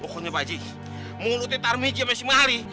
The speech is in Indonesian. pokoknya pak haji mulutnya tarmidhi sama si mahli